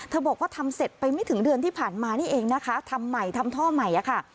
บอกว่าทำเสร็จไปไม่ถึงเดือนที่ผ่านมานี่เองนะคะทำใหม่ทำท่อใหม่อะค่ะ